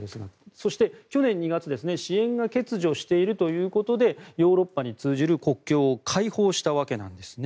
そして、去年２月支援が欠如しているということでヨーロッパに通じる国境を開放したわけなんですね。